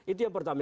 itu yang pertama